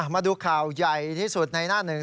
มาดูข่าวใหญ่ที่สุดในหน้าหนึ่ง